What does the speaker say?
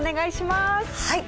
はい。